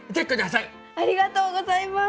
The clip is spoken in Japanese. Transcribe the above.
ありがとうございます！